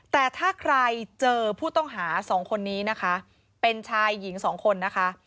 แต่ถ้าใครเจอผู้ต้องหาสองคนนี้นะคะเป็นชายหญิงสองคนนะคะ